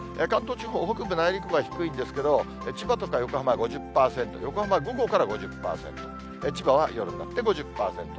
関東地方、北部、内陸部は低いんですけど、千葉とか横浜５０％、横浜は午後から５０％、千葉は夜になって５０％です。